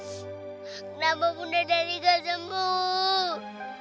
kenapa bunda dari kau sembuh